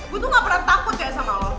gue tuh gak pernah takut kayak sama lo